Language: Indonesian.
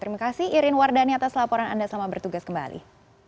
terima kasih irin wardani atas laporan anda selamat bertugas kembali